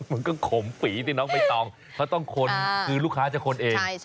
มันก็ขมฟี๋ที่น้องไบตองเขาต้องคนฮึลูกค้าจะคนเองใช่